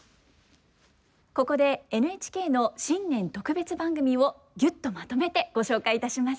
ここでＮＨＫの新年特別番組をギュッとまとめてご紹介いたします。